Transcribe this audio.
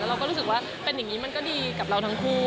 เราก็รู้สึกว่าเป็นอย่างนี้มันก็ดีกับเราทั้งคู่